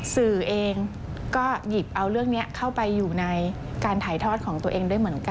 สื่อเองก็หยิบเอาเรื่องนี้เข้าไปอยู่ในการถ่ายทอดของตัวเองด้วยเหมือนกัน